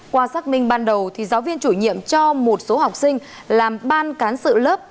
qua xác minh ban đầu giáo viên chủ nhiệm cho một số học sinh làm ban cán sự lớp